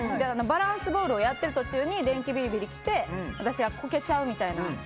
バランスボールをやってる途中に電気ビリビリがきて私がコケちゃうみたいな。